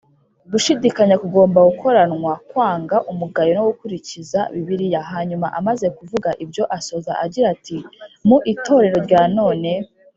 Gushidikanya kugomba gukoranwa kwanga umugayo no gukurikiza Bibiliya." Hanyuma, amaze kuvuga ibyo asoza agira ati, "Mu itorero rya none,